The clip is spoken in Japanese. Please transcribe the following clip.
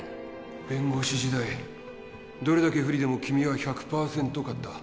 弁護士時代どれだけ不利でも君は１００％勝った。